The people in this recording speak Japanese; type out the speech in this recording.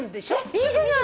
いいじゃない。